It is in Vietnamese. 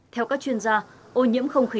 theo các chuyên gia ô nhiễm không khí